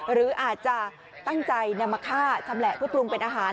หรืออาจจะตั้งใจน้ำคลาทำแหละพระพุทธรุงเป็นอาหาร